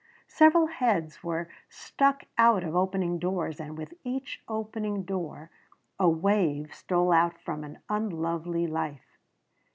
Several heads were stuck out of opening doors and with each opening door a wave stole out from an unlovely life.